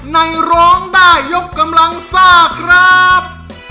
ร้องได้ยกกำลังซ่าครับ